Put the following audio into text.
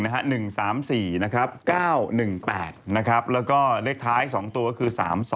แล้วก็เลขท้าย๒ตัวก็คือ๓๒